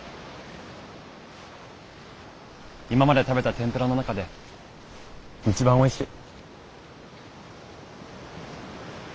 今まで食べたてんぷらの中で一番おいしい。